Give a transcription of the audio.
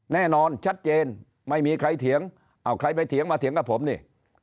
แน่นอนชัดเจนไม่มีใครเถียงอ้าวใครไปเถียงมาเถียงกับผมนี่